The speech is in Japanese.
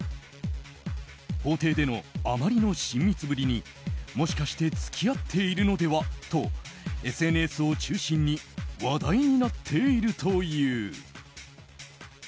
法廷でのあまりの親密ぶりにもしかして付き合っているのでは？とＳＮＳを中心に話題になっているという。